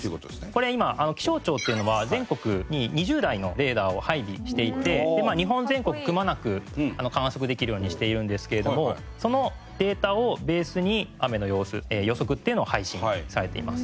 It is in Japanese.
これ今気象庁っていうのは全国に２０台のレーダーを配備していて日本全国くまなく観測できるようにしているんですけれどもそのデータをベースに雨の様子予測っていうのを配信されています。